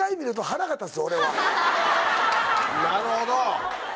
なるほど！